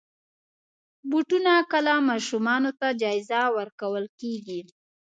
بوټونه کله ماشومانو ته جایزه ورکول کېږي.